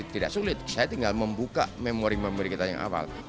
tidak sulit saya tinggal membuka memori memori kita yang awal